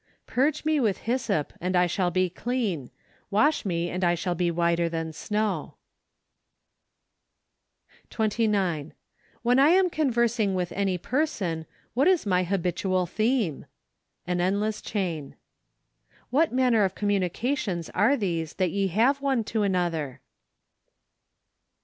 " Purge me with hyssop , and I shall be clean: wash me, and I shall be whiter than snow . 11 29. When I am conversing with any person what is my habitual theme ? An Endless Chain. " What manner of communications are these that ye have one to another